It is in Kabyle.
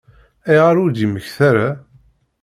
Ayɣer ur d-yemmekta ara?